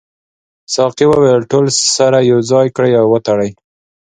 ساقي وویل ټول سره یو ځای کړئ او وتړئ.